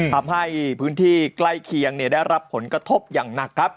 ทำให้พื้นที่ใกล้เคียงได้รับผลกระทบอย่างหนักครับ